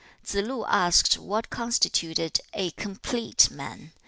Tsze lu asked what constituted a COMPLETE man.